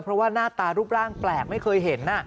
เพราะว่าหน้าตารูปร่างแปลกไม่เคยเห็น